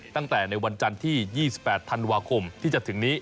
ตั้งแต่ในวันจันทร์ที่๒๘ธันวาคมที่จะถึงนี้